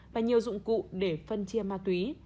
và nhiều dụng cụ để phân chia ma túy